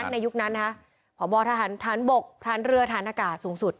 ในยุคนั้นพ่อบทหารบกทหารเรือทหารอากาศสูงสุด